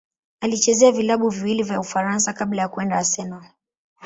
Alichezea vilabu viwili vya Ufaransa kabla ya kwenda Arsenal.